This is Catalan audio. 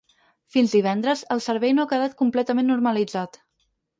Fins divendres el servei no ha quedat completament normalitzat.